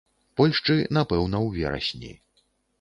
Польшчы, напэўна, у верасні.